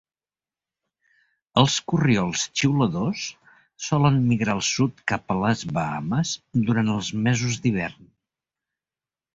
Els corriols xiuladors solen migrar al sud cap a les Bahames durant els mesos d'hivern.